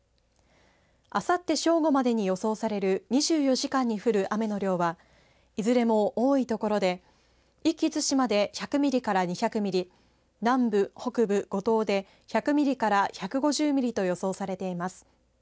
あさって正午までに予想される２４時間に降る雨の量はいずれも多い所で壱岐・対馬で１００ミリから２００ミリ南部、北部、五島で１００ミリから１５０ミリと予想されています。